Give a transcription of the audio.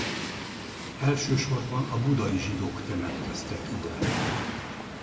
Elsősorban a budai zsidók temetkeztek ide.